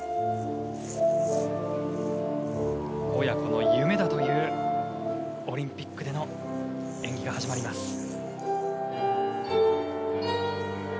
親子の夢だというオリンピックでの演技が始まります。